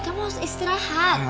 kamu harus istirahat